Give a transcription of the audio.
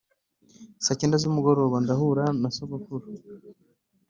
Saa cyenda z’umugoroba ndahura na sogokuru